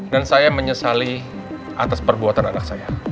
dan saya menyesali atas perbuatan anak saya